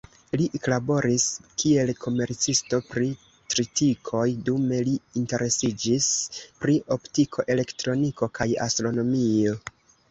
Li eklaboris, kiel komercisto pri tritikoj, dume li interesiĝis pri optiko, elektroniko kaj astronomio.